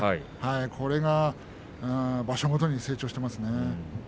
これは場所ごとに成長していますね。